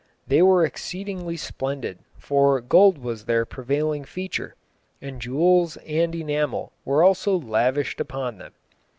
They were exceedingly splendid, for gold was their prevailing feature, and jewels and enamel were also lavished upon them.